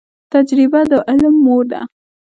تجریبه د علم مور ده